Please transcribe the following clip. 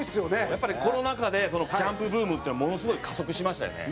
やっぱりコロナ禍でキャンプブームっていうのはものすごい加速しましたよね。